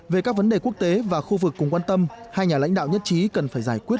về các vấn đề quốc tế và khu vực cùng quan tâm hai nhà lãnh đạo nhất trí cần phải giải quyết